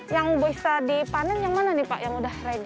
yang bisa dipanen yang mana nih pak yang udah ready